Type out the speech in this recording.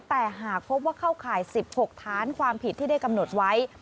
แต่หากพบว่าเข้าข่าย๑๖ฐานความผิดที่ได้กำหนดไว้